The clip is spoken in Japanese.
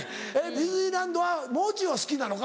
ディズニーランドはもう中は好きなのか？